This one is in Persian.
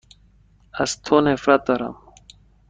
از تو نفرت دارم.